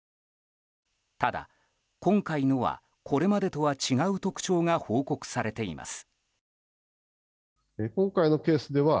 ただ、今回のはこれまでとは違う特徴が報告されています。